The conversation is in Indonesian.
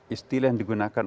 istilah yang digunakan